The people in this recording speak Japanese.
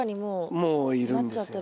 もういるんですよね。